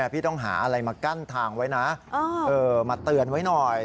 พี่ต้องหาอะไรมากั้นทางไว้นะมาเตือนไว้หน่อย